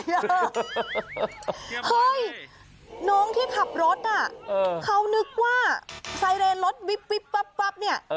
เฮ้ยน้องที่ขับรถน่ะเขานึกว่าไซเรนรถวิบปั๊บเนี่ย